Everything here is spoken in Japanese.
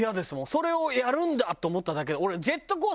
それをやるんだと思っただけで。